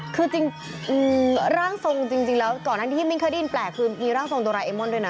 คือร่างทรงจริงแล้วก่อนที่มิ้นเค้าได้ยินแปลกคือมีร่างทรงโดราเอม่อนด์ด้วยนะ